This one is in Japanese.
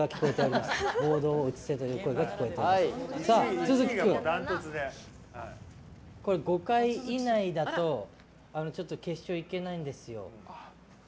都築君、５回以内だとちょっと決勝いけないんですよ。